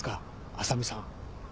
浅見さん。